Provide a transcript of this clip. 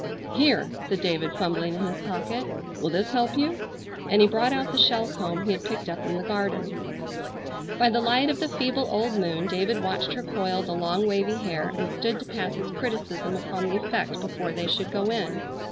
"Here!" said David, fumbling in his pocket, "will this help you?" and he brought out the shell comb he had picked up in the garden. By the light of the feeble old moon David watched her coil the long wavy hair and stood to pass his criticism upon the effect before they should go in.